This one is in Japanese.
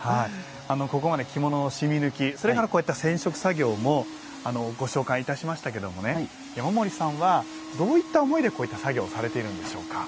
ここまで着物の染み抜きそれから染色作業もご紹介いたしましたけども山森さんはどういった思いでこういった作業をされているんでしょうか。